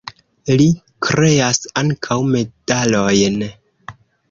Li kreas ankaŭ medalojn.